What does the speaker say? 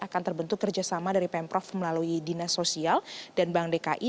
akan terbentuk kerjasama dari pemprov melalui dinas sosial dan bank dki